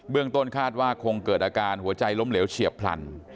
ต้นคาดว่าคงเกิดอาการหัวใจล้มเหลวเฉียบพลัน